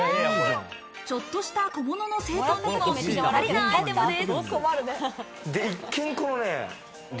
ちょっとした小物の整とんにもぴったりなアイテムです。